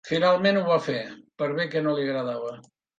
Finalment ho va fer, per bé que no li agradava.